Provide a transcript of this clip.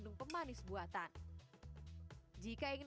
jika ingin memakai kelebihan minuman jangan terlebihan